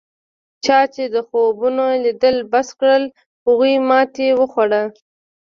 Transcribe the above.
چا چې د خوبونو لیدل بس کړل هغوی ماتې وخوړه.